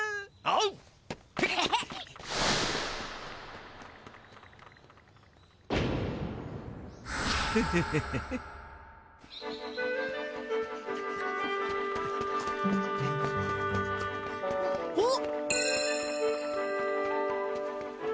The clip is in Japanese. あっ！